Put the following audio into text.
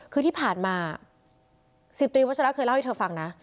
คือที่ผ่านมา๑๐ตรีวัชระเคยเล่าให้เธอฟังนะ